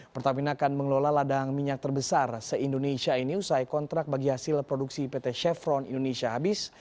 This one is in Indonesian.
pertamina akan mengelola ladang minyak terbesar se indonesia ini usai kontrak bagi hasil produksi pt chevron indonesia habis